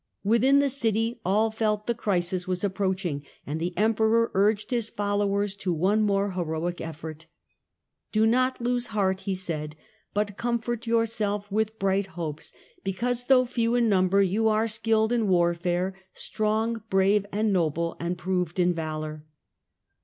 Within the city all felt the crisis was approaching, and the Emperor urged his followers to one more heroic effort. "Do not lose heart," he said, " but comfort yourselves with bright hopes, because, though few in number, you are skilled in warfare, strong, brave and noble, and proved in valour."